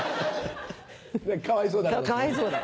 かわいそうだからだろ？